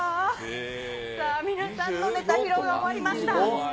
さあ、皆さんのネタ披露が終終わりました。